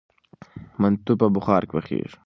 منتو په بخار پخیږي.